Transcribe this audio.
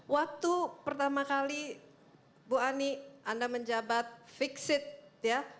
waktu pertama kali bu ani anda menjabat fixit ya